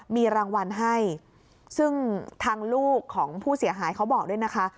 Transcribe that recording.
มีรางวัลให้ซึ่งทางลูกของผู้เสียหายเขาบอกด้วยนะคะ